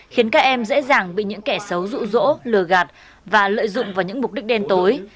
khiến các em dễ dàng bị những kẻ xấu rụ rỗ lừa gạt và lợi dụng vào những mục đích đen tối